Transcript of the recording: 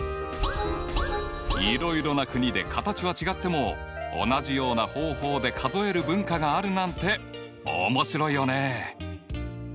いろいろな国で形は違っても同じような方法で数える文化があるなんて面白いよね！